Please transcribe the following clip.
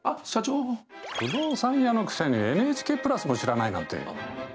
不動産屋のくせにＮＨＫプラスも知らないなんて。